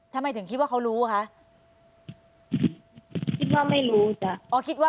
ทำไมถึงคิดว่าเค้ารู้คะ